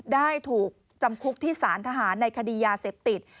ได้ถูกจำคุกที่สารทหารในคดียาเสพติด